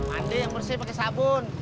mandi yang bersih pake sabun